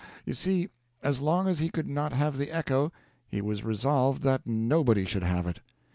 You see, as long as he could not have the echo, he was resolved that nobody should have it.